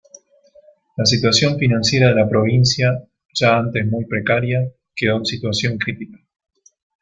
La situación financiera de la provincia, ya antes muy precaria, quedó en situación crítica.